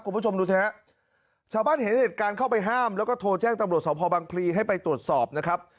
คุณผู้ชมดูสิฮะชาวบ้านเห็นเหตุการณ์เข้าไปห้ามแล้วก็โทรแจ้งตำรวจสพบังพลีให้ไปตรวจสอบนะครับ